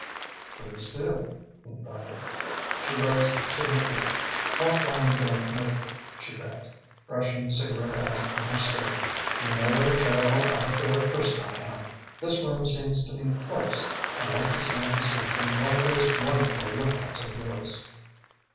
"Please do," he invited. She rose to her feet. "Walk round the garden with me," she begged, brushing the cigarette ash from her skirt. "You know what a terrible out of door person I am. This room seems to me close. I want to smell the sea from one of those wonderful lookouts of yours."